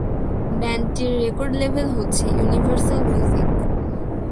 ব্যান্ডটির record level হচ্ছে universal music.